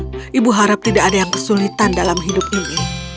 ibu harap tidak ada yang kesulitan dalam hidup ini